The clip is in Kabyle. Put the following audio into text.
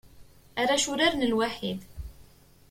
Arrac uraren lwaḥid.